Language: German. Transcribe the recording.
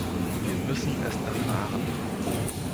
Wir müssen es erfahren.